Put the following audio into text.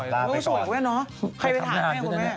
อ๋อลาไปก่อนมันก็สวยเลยเนอะใครทำหน้าคุณแม่